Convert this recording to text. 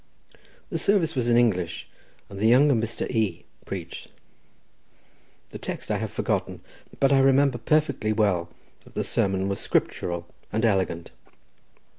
The service was in English, and the younger Mr. E— preached. The text I have forgotten, but I remember perfectly well that the sermon was scriptural and elegant.